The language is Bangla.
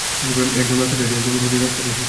একদম রাস্তাটার শেষে।